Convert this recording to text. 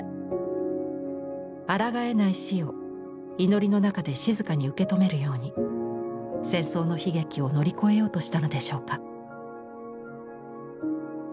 あらがえない死を祈りの中で静かに受け止めるように戦争の悲劇を乗り越えようとしたのでしょうか。